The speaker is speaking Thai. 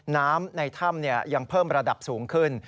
น้ำในถ้ำยังเพิ่มระดับสูงขึ้น